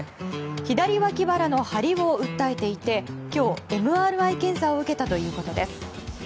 左わき腹の張りを訴えていて今日、ＭＲＩ検査を受けたということです。